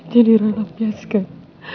jadi raya lapiaskan